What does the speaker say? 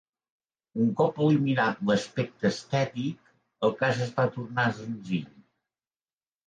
Un cop eliminat l'aspecte estètic, el cas es va tornar senzill.